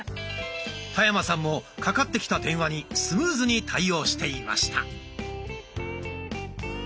田山さんもかかってきた電話にスムーズに対応していました。